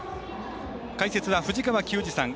解説は藤川球児さん。